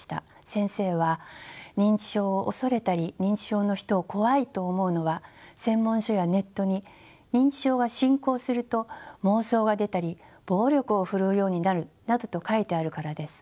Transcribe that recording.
先生は認知症を恐れたり認知症の人を怖いと思うのは専門書やネットに認知症が進行すると妄想が出たり暴力を振るうようになるなどと書いてあるからです。